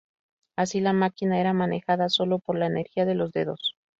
Así, la máquina era manejada solo por la energía de los dedos.